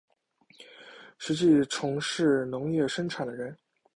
实际从事农业生产的人